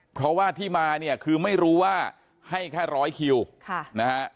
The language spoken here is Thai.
เพราะว่าที่มาเนี่ยคือไม่รู้ว่าให้แค่ร้อยคิวค่ะนะฮะ